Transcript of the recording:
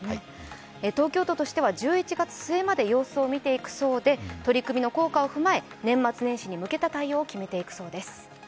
東京都としては１１月末まで様子を見ていくそうで取り組みの効果を踏まえ年末年始に向けた対応を考えるそうです。